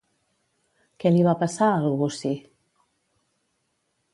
Què li va passar al gussi?